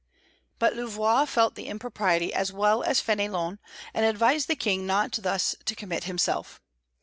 But Louvois felt the impropriety as well as Fénelon, and advised the King not thus to commit himself.